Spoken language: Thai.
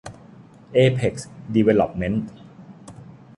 เอเพ็กซ์ ดีเวลลอปเม้นท์